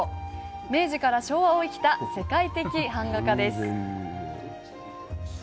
明治から昭和を生きた世界的版画家です。